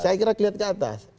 saya kira kelihatan ke atas